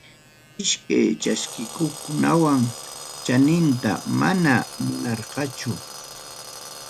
Iskay chaskiqkunam chaninchata mana munarqakuchu.